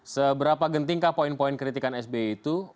seberapa gentingkah poin poin kritikan sby itu